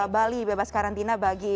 bali bebas karantina bagi